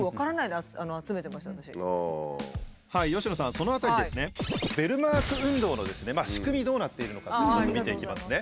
その辺りですねベルマーク運動の仕組みどうなっているのかというのを見ていきますね。